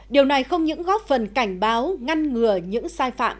điều này không những góp phần cảnh báo ngăn ngừa những sai phạm